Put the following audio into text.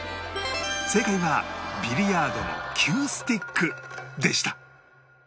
正解はビリヤードのキュースティックでした